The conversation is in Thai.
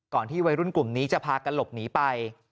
ที่วัยรุ่นกลุ่มนี้จะพากันหลบหนีไป